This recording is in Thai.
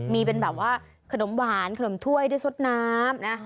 มีเป็นแบบว่าขนมหวานขนมถ้วยด้วยสดน้ำนะ